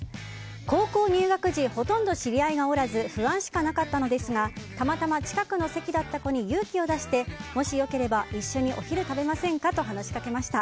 高校入学時ほとんど知り合いがおらず不安しかなかったのですがたまたま近くの席だった子に勇気を出してもしよければ、一緒にお昼食べませんかと話しかけました。